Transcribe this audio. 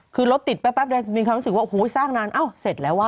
คือรถติดแป๊บเดียวมีความรู้สึกว่าโอ้โหสร้างนานเอ้าเสร็จแล้วว่